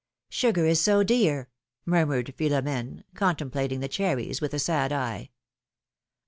Sugar is so dear,^^ murmured Philom^ne, contemplating the cherries with a sad eye.